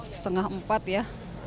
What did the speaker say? setengah empat ya